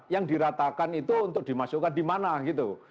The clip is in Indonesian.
yang diratakan itu untuk dimasukkan di mana gitu